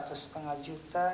satu setengah juta